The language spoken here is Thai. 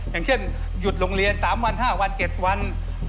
อย่างเช่นหยุดโรงเรียน๓วัน๕วัน๗วัน